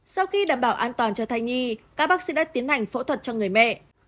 sau khi đảm bảo an toàn cho thai nhi các bác sĩ đã tiến hành phẫu thuật cho người mẹ